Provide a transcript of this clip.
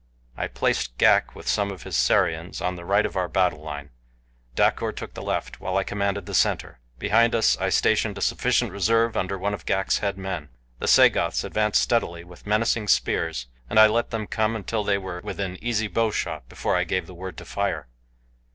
I placed Ghak with some of his Sarians on the right of our battle line. Dacor took the left, while I commanded the center. Behind us I stationed a sufficient reserve under one of Ghak's head men. The Sagoths advanced steadily with menacing spears, and I let them come until they were within easy bowshot before I gave the word to fire.